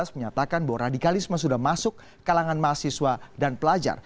menyatakan bahwa radikalisme sudah masuk kalangan mahasiswa dan pelajar